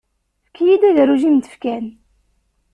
Efk-iyi-d agerruj i am-d-fkan.